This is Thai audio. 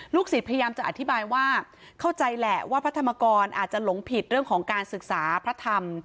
ศิษย์พยายามจะอธิบายว่าเข้าใจแหละว่าพระธรรมกรอาจจะหลงผิดเรื่องของการศึกษาพระธรรม